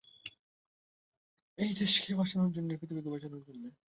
এই দেশকে বাঁচানোর জন্য, এই পৃথিবীকে বাঁচানোর জন্য।